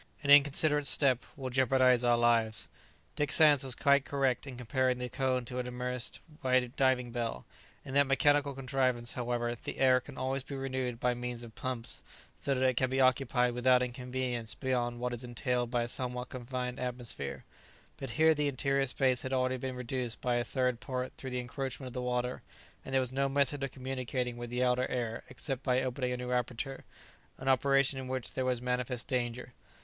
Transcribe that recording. An inconsiderate step will jeopardize our lives." Dick Sands was quite correct in comparing the cone to an immersed diving bell. In that mechanical contrivance, however, the air can always be renewed by means of pumps, so that it can be occupied without inconvenience beyond what is entailed by a somewhat confined atmosphere; but here the interior space had already been reduced by a third part through the encroachment of the water, and there was no method of communicating with the outer air except by opening a new aperture, an operation in which there was manifest danger.